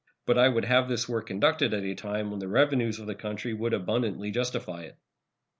But I would have this work conducted at a time when the revenues of the country would abundantly justify it.